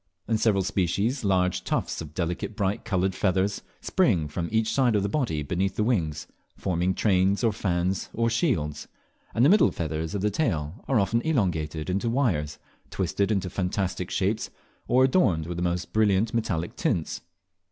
In several species large tufts of delicate bright coloured feathers spring from each side of the body beneath the wings, forming trains, or fans, or shields; and the middle feathers of the tail are often elongated into wires, twisted into fantastic shapes, or adorned with the most brilliant metallic tints.